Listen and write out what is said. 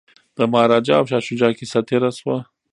د مهاراجا او شاه شجاع کیسه تیره شوه.